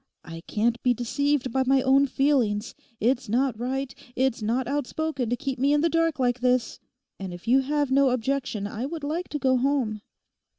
I can't be deceived by my own feelings. It's not right, it's not out spoken to keep me in the dark like this. And if you have no objection, I would like to go home.